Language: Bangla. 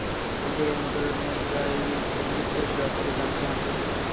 আমাদের অনুপ্রেরণাদায়ী বন্ধুত্বের ব্যাপারে জানতে চান?